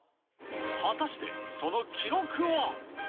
果たしてその記録は。